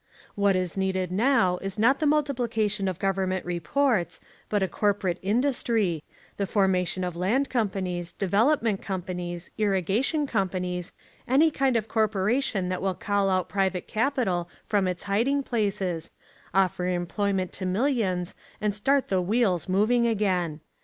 What is needed now is not the multiplication of government reports, but corporate industry, the formation of land companies, development companies, irrigation companies, any kind of corporation that will call out private capital from its hiding places, offer employment to millions and start the wheels moving again.